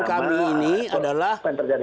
kami ini adalah